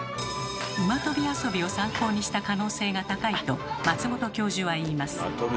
馬とび遊びを参考にした可能性が高いと松本教授は言います。